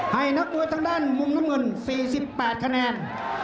นักมวยทางด้านมุมน้ำเงิน๔๘คะแนน